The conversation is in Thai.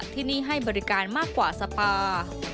ที่นี่ให้บริการมากกว่าสปา